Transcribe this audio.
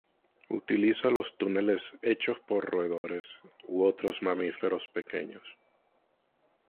Utiliza los túneles hechos por roedores u otros mamíferos pequeños.